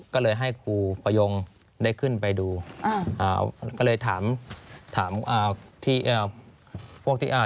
ก็เลยให้ครูประยงได้ขึ้นไปดูอ่าก็เลยถามถามอ่าที่อ่า